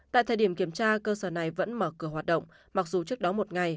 tại thời điểm kiểm tra cơ sở này vẫn mở cửa hoạt động mặc dù trước đó một ngày